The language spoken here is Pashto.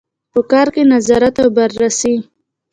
په کار کې نظارت او بررسي.